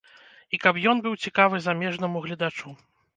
І каб ён быў цікавы замежнаму гледачу.